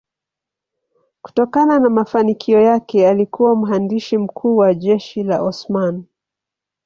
Kutokana na mafanikio yake alikuwa mhandisi mkuu wa jeshi la Osmani.